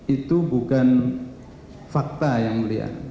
itu bukan fakta yang mulia